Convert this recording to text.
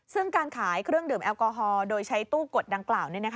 ซึ่งการขายเครื่องดื่มแอลกอฮอล์โดยใช้ตู้กดดังกล่าว